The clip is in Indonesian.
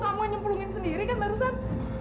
kamu nyemplungin sendiri kan barusan